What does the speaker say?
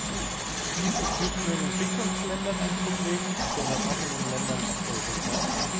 Dies ist nicht nur in Entwicklungsländern ein Problem, sondern auch in den Ländern Osteuropas.